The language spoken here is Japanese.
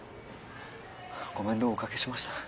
ご面倒をお掛けしました。